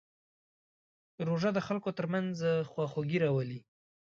روژه د خلکو ترمنځ خواخوږي راولي.